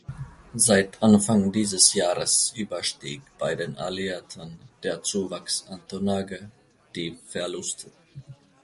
Seit Anfang dieses Jahres überstieg bei den Alliierten der Zuwachs an Tonnage die Verluste.